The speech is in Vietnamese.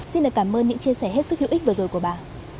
xin cảm ơn những chia sẻ hết sức hữu ích vừa rồi của bà